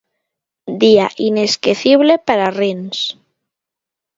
Día inesquecible para Rins.